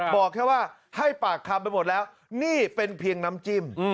บอกแค่ว่าให้ปากคำไปหมดแล้วนี่เป็นเพียงน้ำจิ้ม